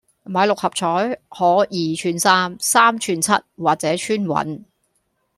買六合彩可二串三、三串七或者穿雲